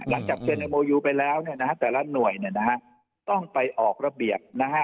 หลังจากเซ็นเอโมยูไปแล้วเนี่ยนะฮะแต่ละหน่วยเนี่ยนะฮะต้องไปออกระเบียบนะฮะ